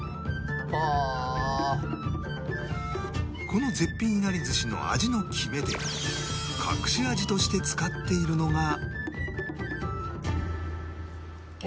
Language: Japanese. この絶品いなり寿司の味の決め手隠し味として使っているのが